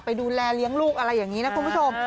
ดูแลเลี้ยงลูกอะไรอย่างนี้นะคุณผู้ชม